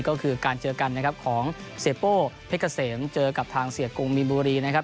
ก็คือการเจอกันนะครับของเสียโป้เพชรเกษมเจอกับทางเสียกรุงมีนบุรีนะครับ